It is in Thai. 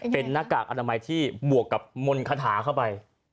เป็นหน้ากากอนามัยที่บวกกับมนต์คาถาเข้าไป